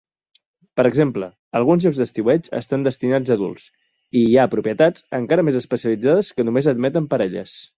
Per exemple, alguns llocs d'estiueig estan destinats a adults, i hi ha propietats encara més especialitzades que només admeten parelles.